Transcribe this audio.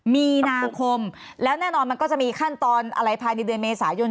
มีนาคมแล้วแน่นอนมันก็จะมีขั้นตอนอะไรภายในเดือนเมษายน